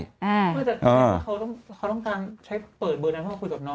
เขาต้องการใช้เปิดเบอร์นั้นเพื่อคุยกับน้อง